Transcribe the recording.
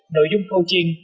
nội dung coaching